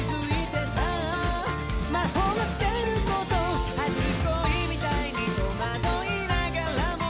「魔法が解けること」「初恋みたいに戸惑いながらも」